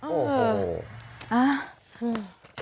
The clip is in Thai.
โอ้โห